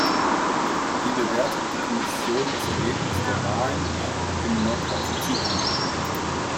Wie bewertet die Kommission das Ergebnis der "Wahlen" im Nordteil von Zypern?